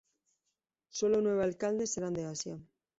Sólo nueves alcaldes eran de Asia.